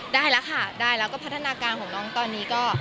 ได้แล้วค่ะได้แล้วก็พัฒนาการของน้องตอนนี้ก็